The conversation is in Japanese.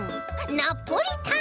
ナポリタン！